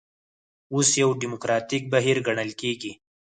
اوس یو ډیموکراتیک بهیر ګڼل کېږي.